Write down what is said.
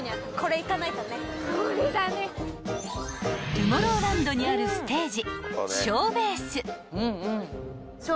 ［トゥモローランドにあるステージ］